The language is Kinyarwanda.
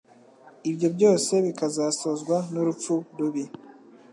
ibyo byose bikazasozwa n'urupfu rubi.